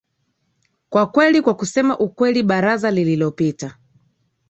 kwa kweli kwa kusema ukweli baraza lililopita